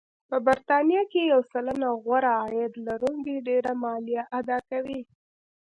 په بریتانیا کې یو سلنه غوره عاید لرونکي ډېره مالیه اداکوي